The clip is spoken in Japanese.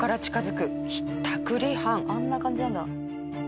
あんな感じなんだ。